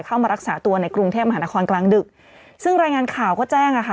เข้ามารักษาตัวในกรุงเทพมหานครกลางดึกซึ่งรายงานข่าวก็แจ้งอ่ะค่ะ